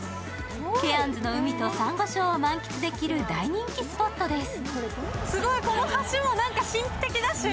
ケアンズの海とさんご礁を満喫できる大人気スポットです。